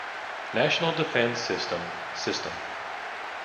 National Defense System System.